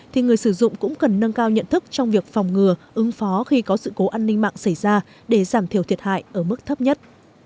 thì người sử dụng cũng cần nâng cao nhận thức trong việc phòng ngừa ứng phó khi có sự cố an ninh mạng xảy ra để giảm thiểu thiệt hại ở mức thấp nhất